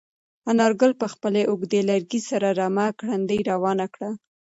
انارګل په خپل اوږد لرګي سره رمه ګړندۍ روانه کړه.